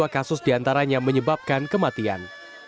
tiga puluh dua kasus diantaranya menyebabkan kematian